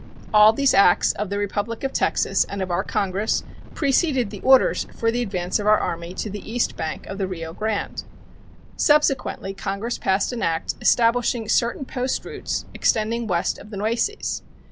All these acts of the Republic of Texas and of our Congress preceded the orders for the advance of our Army to the east bank of the Rio Grande. Subsequently Congress passed an act "establishing certain post routes" extending west of the Nueces.